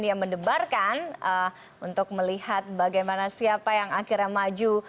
dia mendebarkan untuk melihat bagaimana siapa yang akhirnya maju